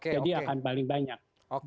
jadi akan paling banyak